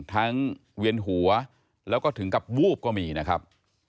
เวียนหัวแล้วก็ถึงกับวูบก็มีนะครับ